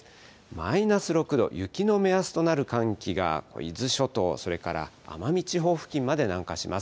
マイナス６度、雪の目安となる寒気が伊豆諸島、それから奄美地方付近まで南下します。